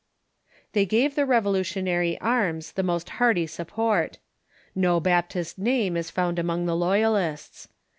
They gave the Revolutionary arms the most hearty support. No Baptist name is found among the loyalists.